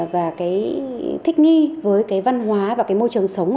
và thích nghi với văn hóa và môi trường sống